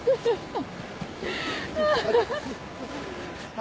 あ。